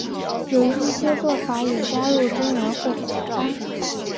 有一些做法也加入榛仁或干果。